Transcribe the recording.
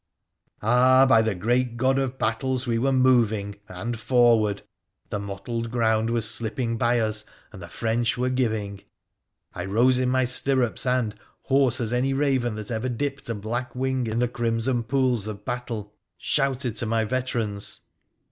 Ah ! by the great God of battles, we were moving — an< forward — the mottled ground was slipping by us — and th French were giving ! I rose in my stirrups, and, hoarse a any raven that ever dipped a black wing in the crimson pool of battle, shouted to my veterans.